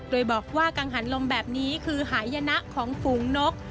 โดยบอกว่ากังหันลมแบบนี้คือหายนะของฝูงนก